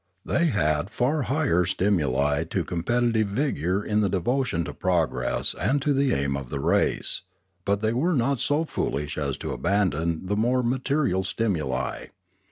They had far higher stimuli to competitive vigour in the devotion to progress and to the aim of the race, but they were not so foolish as to abandon the more material stimuli.